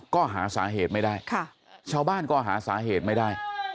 ก็หาสาเหตุไม่ได้ชาวบ้านก็หาสาเหตุไม่ได้